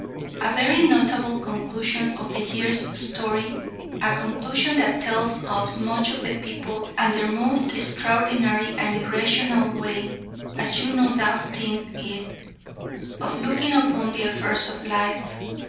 A very notable conclusion of the year's story a conclusion that tells us much of the people and their most extraordinary and irrational way, as you no doubt think it, of looking upon the affairs of life.